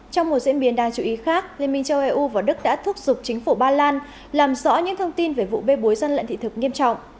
trong một diễn biến đáng chú ý khác liên minh châu eu và đức đã thúc giục chính phủ ba lan làm rõ những thông tin về vụ bê bối dân lận thị thực nghiêm trọng